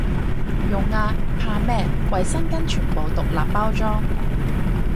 用啊，怕咩，衛生巾全部獨立包裝